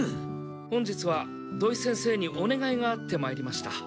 本日は土井先生にお願いがあって参りました。